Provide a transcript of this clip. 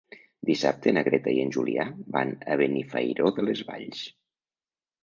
Dissabte na Greta i en Julià van a Benifairó de les Valls.